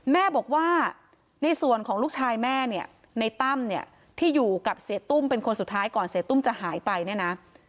แม่บอกว่าในส่วนของลูกชายแม่เนี่ยในตั้มเนี่ยที่อยู่กับเสียตุ้มเป็นคนสุดท้ายก่อนเสียตุ้มจะหายไปเนี่ยนะ